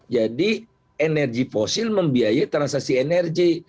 jadi energi fosil membiayai transasi energi